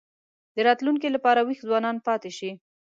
د راتلونکي لپاره وېښ ځوانان پاتې شي.